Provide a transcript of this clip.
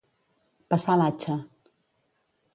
Passar l'atxa.